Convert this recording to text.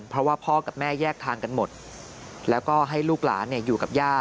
เพราะว่าพ่อกับแม่แยกทางกันหมดแล้วก็ให้ลูกหลานอยู่กับย่า